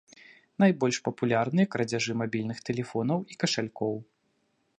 Найбольш папулярныя крадзяжы мабільных тэлефонаў і кашалькоў.